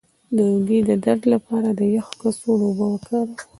د اوږې د درد لپاره د یخ کڅوړه وکاروئ